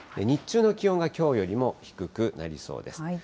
日中の気温がきょうよりも低くなりそうです。